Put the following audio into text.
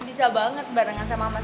bisa banget barengan sama mas